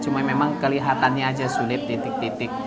cuma memang kelihatannya aja sulit titik titik